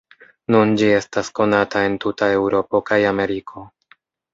Nun ĝi estas konata en tuta Eŭropo kaj Ameriko.